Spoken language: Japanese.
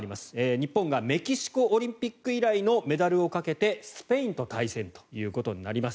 日本がメキシコオリンピック以来のメダルをかけてスペインと対戦ということになります。